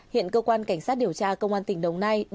hiện cơ quan cảnh sát điều tra công an tỉnh đồng nai